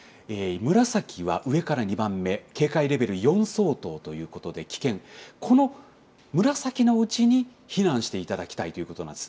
紫は上から２番目、警戒レベル４相当ということで危険、この紫のうちに避難していただきたいということなんです。